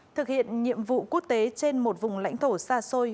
thực hiện nhiệm vụ quốc tế trên một vùng lãnh thổ xa xôi